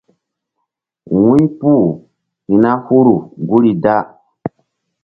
Wu̧ypu hi̧ na huru guri da.